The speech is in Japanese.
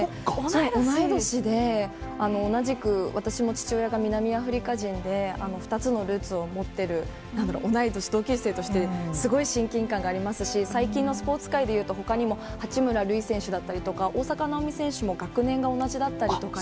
同い年で、同じく、私も父親が南アフリカ人で、２つのルーツを持ってる、なんだろ、同い年、同級生として、すごい親近感がありますし、最近のスポーツ界でいうと、ほかにも八村塁選手だったりとか、大坂なおみ選手も学年が同じだったりとかで。